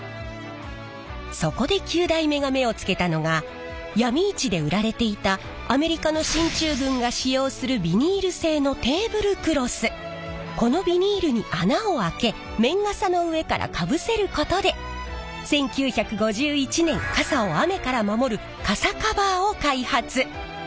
そこで９代目が目をつけたのが闇市で売られていたアメリカの進駐軍が使用するこのビニールに穴を開け綿傘の上からかぶせることで１９５１年傘を雨から守る傘カバーを開発！